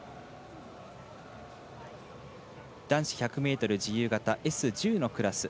男子１００ｍ自由形Ｓ１０のクラス。